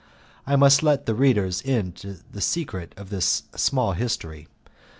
I must let my readers into the secret of this small history.